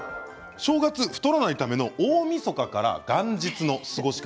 正月太らないための大みそかから元日の過ごし方